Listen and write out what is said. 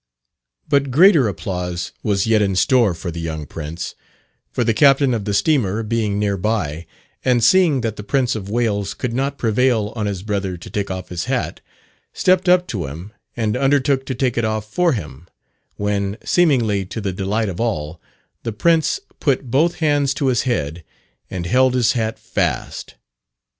But greater applause was yet in store for the young prince; for the captain of the steamer being near by, and seeing that the Prince of Wales could not prevail on his brother to take off his hat, stepped up to him and undertook to take it off for him, when, seemingly to the delight of all, the prince put both hands to his head and held his hat fast.